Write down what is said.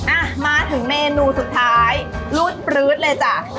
อ่ะมาถึงเมนูสุดท้ายรูดปลื๊ดเลยจ้ะ